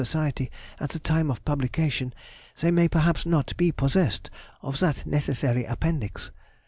Society at the time of publication, they may perhaps not be possessed of that necessary Appendix.